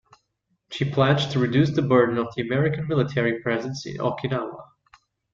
She pledged to reduce the burden of the American military presence in Okinawa.